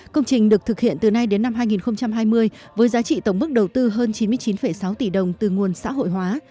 công trình được thực hiện từ nay đến năm hai nghìn hai mươi với giá trị tổng mức đầu tư hơn chín mươi chín sáu tỷ đồng từ nguồn xã hội hóa